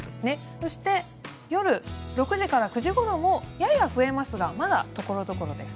そして、夜６時から９時ごろもやや増えますがまだ所々です。